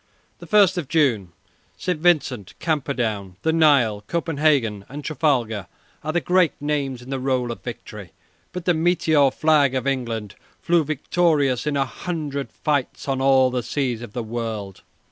The "First of June," St. Vincent, Camperdown, the Nile, Copenhagen, and Trafalgar are the great names in the roll of victory; but "the meteor flag of England" flew victorious in a hundred fights on all the seas of the world.